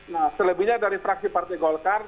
nah selebihnya dari fraksi partai golkar